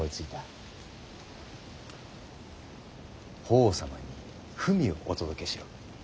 法皇様に文をお届けしろ。